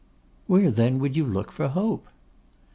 'Where, then, would you look for hope?